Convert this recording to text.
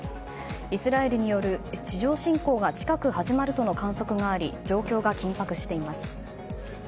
イスラエルによる地上侵攻が近く始まるとの観測があり状況が緊迫しています。